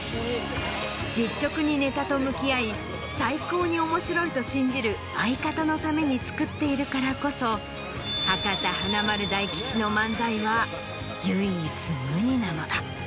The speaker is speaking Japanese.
実直にネタと向き合い最高に面白いと信じる相方のために作っているからこそ博多華丸・大吉の漫才は。